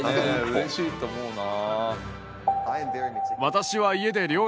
うれしいと思うな。